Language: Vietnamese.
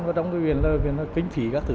và trong việc kinh phí các thứ